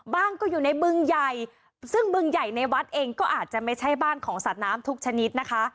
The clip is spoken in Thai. บ้านก็อยู่ในบึงใหญ่ซึ่งบึงใหญ่ในวัดเองก็อาจจะไม่ใช่บ้านของสัตว์น้ำทุกชนิดนะคะ